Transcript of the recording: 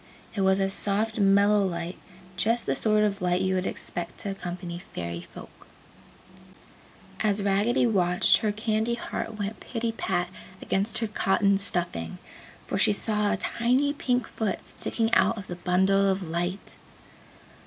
It was a soft mellow light, just the sort of light you would expect to accompany Fairy Folk. As Raggedy watched, her candy heart went pitty pat against her cotton stuffing, for she saw a tiny pink foot sticking out of the bundle of light.